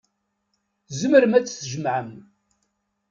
Tzemrem ad tt-tjemɛem.